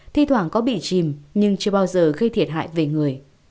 thi thoảng có bị chìm nhưng chưa bao giờ gây thiệt hại về người